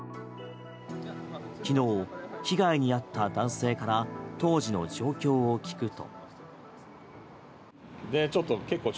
昨日、被害に遭った男性から当時の状況を聞くと。